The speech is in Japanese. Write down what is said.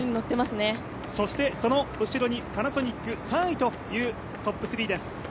そしてその後ろにパナソニック３位というトップ３です。